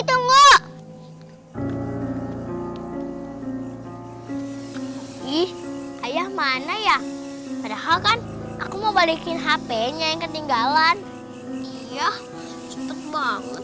tunggu ih ayah mana ya padahal kan aku mau balikin hpnya yang ketinggalan iya banget